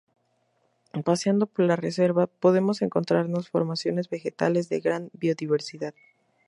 Paseando por la Reserva podemos encontrarnos formaciones vegetales de gran biodiversidad.